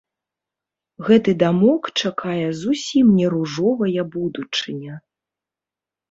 Гэты дамок чакае зусім не ружовая будучыня.